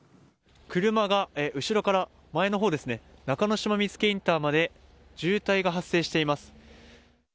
車が後ろから前のほうですね、中之島見附インターまで渋滞が発生しています。